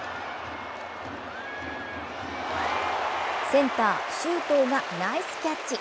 センター・周東がナイスキャッチ。